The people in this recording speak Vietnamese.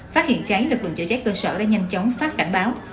phát hiện cháy lực lượng chữa cháy cơ sở đã nhanh chóng phát cảnh báo